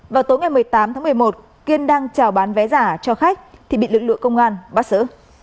vào tối ngày một mươi tám tháng một mươi một kiên đang trào bán vé giả cho khách thì bị lực lượng công an bắt giữ